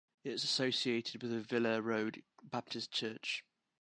It is associated with Ovilla Road Baptist Church.